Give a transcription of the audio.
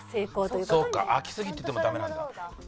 そうか開きすぎててもダメなんだ。